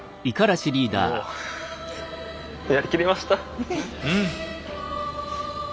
もうやりきりました。